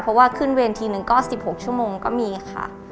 เพราะว่าขึ้นเวทีหนึ่งก็๑๖ชั่วโมงก็มีค่ะ